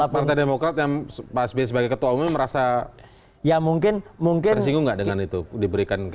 partai demokrat yang pak s b sebagai ketua umum merasa tersinggung gak dengan itu diberikan camry